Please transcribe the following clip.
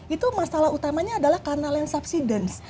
itu masalah utamanya adalah karena land subsidence